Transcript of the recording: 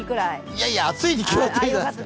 いやいや、暑いに決まってるじゃないですか！